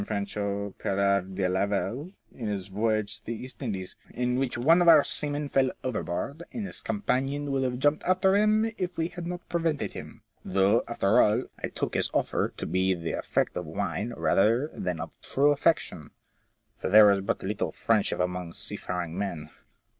Francois Pirard de Laval in his "Voyage to the East Indies," "in which one of our 100 F0EECA8TLE TBAITS. seamen fell overboard, and his companion would have jumped after him if we had not prevented him ; though, after all, I took his offer to be the effect of wine rather than of true affection ; for there is but little friendship among seafaring men."